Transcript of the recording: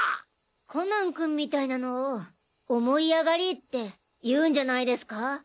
コナン君みたいなのを「思い上がり」って言うんじゃないですか？